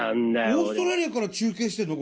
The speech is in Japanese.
オーストラリアから中継してんの？